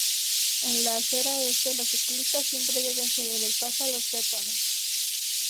En la acera este, los ciclistas siempre deben ceder el paso a los peatones.